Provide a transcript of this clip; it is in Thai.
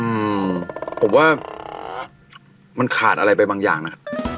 อืมผมว่ามันขาดอะไรไปบางอย่างนะ